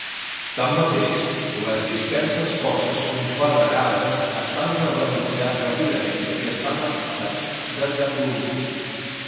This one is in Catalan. Tanmateix, les disperses forces confederades es van reorganitzar ràpidament i es van reforçar des de Columbus.